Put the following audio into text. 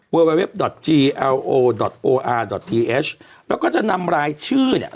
เวอร์เวอร์เว็บดอตจีเอลโอดอตโออาร์ดอตทีเอชแล้วก็จะนำรายชื่อเนี้ย